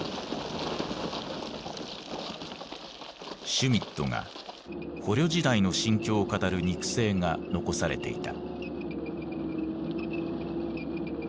シュミットが捕虜時代の心境を語る肉声が残されていた。